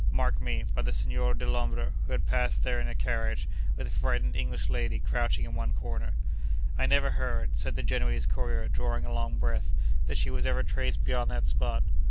Mark me! by the Signor Dellombra, who had passed there in a carriage, with a frightened English lady crouching in one corner. I never heard (said the Genoese courier, drawing a long breath) that she was ever traced beyond that spot.